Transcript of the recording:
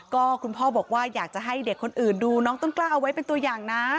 ก็คุณพ่อบอกว่าอยากจะให้เด็กคนอื่นดูน้องต้นกล้าเอาไว้เป็นตัวอย่างนะ